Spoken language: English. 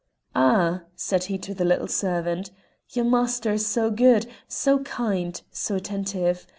"Ah," said he to the little servant, "your master is so good, so kind, so attentive.